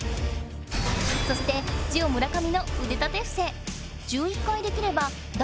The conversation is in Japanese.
そしてジオ村上のうで立てふせ。